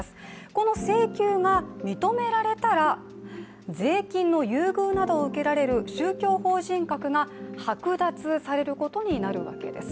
この請求が認められたら税金の優遇などを受けられる宗教法人格が剥奪されることになるわけです。